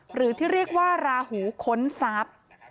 หรือที่เรียกว่าราหูค้นทรัพย์